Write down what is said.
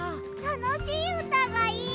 たのしいうたがいい！